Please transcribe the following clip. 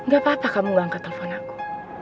gak apa apa kamu gak angkat telepon aku